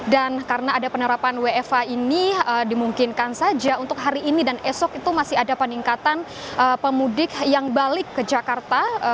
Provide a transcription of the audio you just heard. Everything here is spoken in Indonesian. dan karena ada penerapan wfa ini dimungkinkan saja untuk hari ini dan esok itu masih ada peningkatan pemudik yang balik ke jakarta